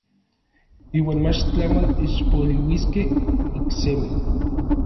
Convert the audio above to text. Iuan mach tlamon ixpoliuiskej iksemi.